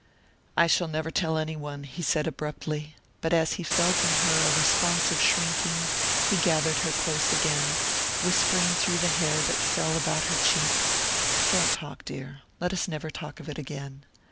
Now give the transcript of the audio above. "I shall never tell any one," he said abruptly; but as he felt in her a responsive shrinking he gathered her close again, whispering through the hair that fell about her cheek: "Don't talk, dear...let us never talk of it again...."